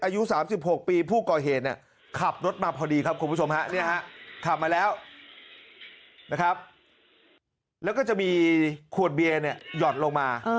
อายุ๓๖ปีผู้ก่อเหตุขับรถมาพอดีครับคุณผู้ชมฮะขับมาแล้วนะครับแล้วก็จะมีขวดเบียร์หยอดลงมา